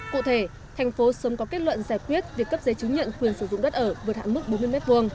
cụ thể thành phố sớm có kết luận giải quyết việc cấp giấy chứng nhận quyền sử dụng đất ở vượt hạng mức bốn mươi m hai